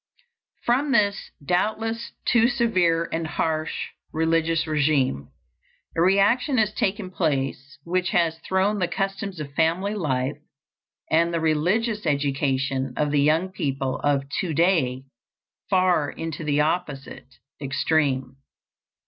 From this doubtless too severe and harsh religious regime, a reaction has taken place which has thrown the customs of family life and the religious education of the young people of to day far into the opposite extreme.